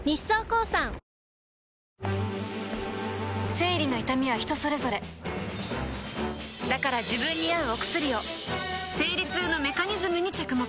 生理の痛みは人それぞれだから自分に合うお薬を生理痛のメカニズムに着目